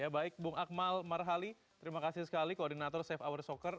baik bung akmal marhali terima kasih sekali koordinator safe hour soccer